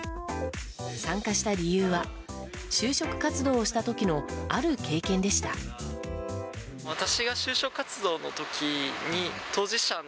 参加した理由は就職活動した時のある経験でした。